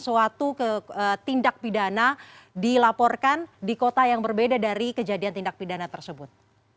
suatu tindak pidana dilaporkan di kota yang berbeda dari kejadian tindak pidana tersebut